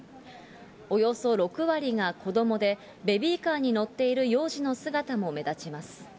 およそ６割が子どもで、ベビーカーに乗っている幼児の姿も目立ちます。